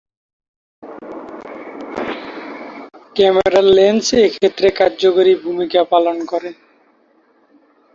ক্যামেরার লেন্স এক্ষেত্রে কার্যকরী ভূমিকা পালন করে।